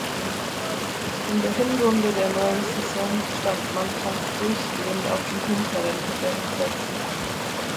In der Hinrunde der neuen Saison stand man fast durchgehend auf den hinteren Tabellenplätzen.